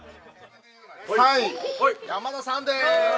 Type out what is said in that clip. ３位山田さんです！